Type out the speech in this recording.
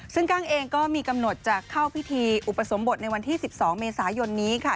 ซึ่งกั้งเองก็มีกำหนดจะเข้าพิธีอุปสมบทในวันที่๑๒เมษายนนี้ค่ะ